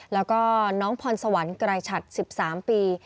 แล้วก็น้องพรสวรรค์ใกล้ฉัดสิบสามปี